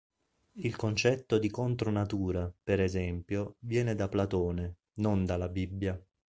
Il concetto di "contro natura", per esempio, viene da Platone, non dalla Bibbia.